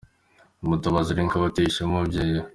Mbabazi Lynca wateye ishema umubyeyi we.